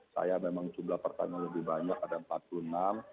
saya memang jumlah pertanyaan lebih banyak ada empat puluh enam